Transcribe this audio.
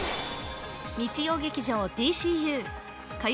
日曜劇場「ＤＣＵ」火曜